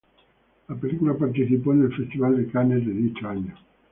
La película participó en el festival de Cannes de dicho año.